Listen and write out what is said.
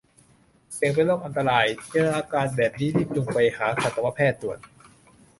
เสี่ยงเป็นโรคอันตราย เจออาการแบบนี้รีบจูงไปหาสัตวแพทย์ด่วน